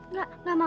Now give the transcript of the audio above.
nggak gak mau